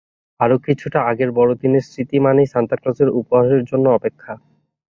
আরও কিছুটা আগের বড়দিনের স্মৃতি মানেই সান্তা ক্লজের উপহারের জন্য অপেক্ষা।